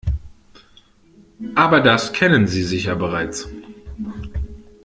Aber das kennen Sie sicher bereits.